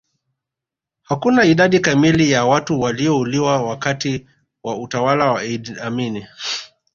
hakuna idadi kamili ya watu waliouliwa wakati wa utawala wa idi amin